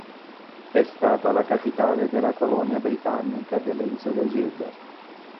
È stata la capitale della colonia britannica delle isole Gilbert.